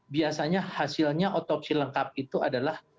biasanya hasilnya otopsi lengkap itu adalah